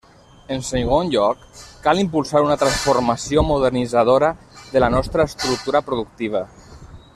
En segon lloc, cal impulsar una transformació modernitzadora de la nostra estructura productiva.